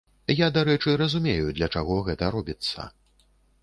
Я, дарэчы, разумею, для чаго гэта робіцца.